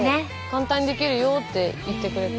簡単にできるよって言ってくれて。